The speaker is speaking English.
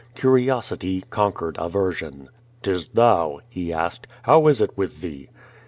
Curiosity conquered aversion "Tis'thou?" he asked. "How is it with thee?"